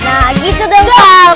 nah gitu dong pal